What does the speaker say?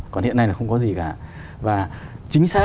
còn hiện nay là không có gì cả